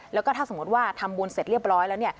แล้วก็ถ้าสมมติว่าทำบุญเสร็จเรียบร้อยแล้วเนี่ย